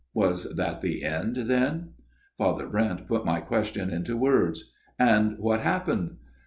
Was that the end, then ? Father Brent put my question into words. " And what happened